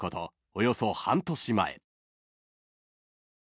およそ半年前］